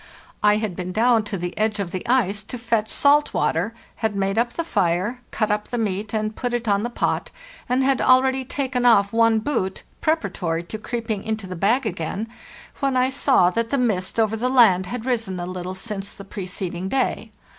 I had been down to the edge of OUR LAST CAMP LHE JOURNEY SOUTHWARD 525 the ice to fetch salt water, had made up the fire, cut up the meat and put it in the pot, and had already taken off one boot, preparatory to creeping into the bag again, when I saw that the mist over the land had risen a little since the preceding day.